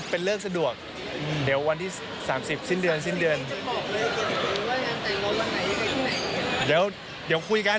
เป็นเลิกสะดวกเดี๋ยววันที่๓๐สิ้นเดือน